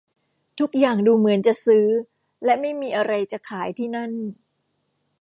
ทุกอย่างดูเหมือนจะซื้อและไม่มีอะไรจะขายที่นั่น